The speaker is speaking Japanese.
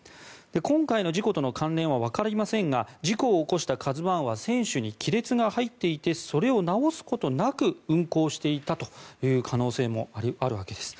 今回の事故との関連はわかりませんが事故を起こした「ＫＡＺＵ１」は船首に亀裂が入っていてそれを直すことなく運航していたという可能性もあるわけです。